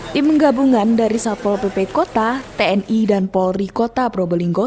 tim gabungan dari satpol pp kota tni dan polri kota probolinggo